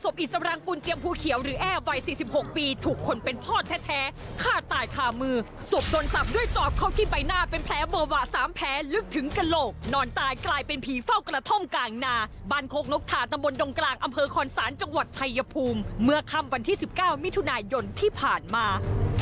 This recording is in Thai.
บนดงกลางอำเภอขอนศาลจังหวัดชัยภูมิเมื่อค่ำวันที่๑๙มิถุนายนที่ผ่านมา